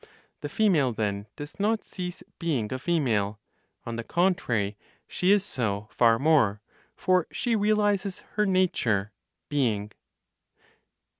The female, then, does not cease being a female; on the contrary she is so far more, for she realizes her nature ("being").